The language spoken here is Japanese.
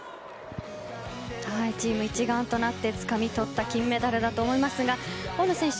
チーム一丸となってつかみとった金メダルだと思いますが大野選手